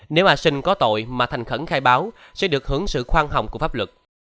nếu a sinh có tội mà thành khẩn khai báo sẽ được hưởng sự khoan hồng của pháp luật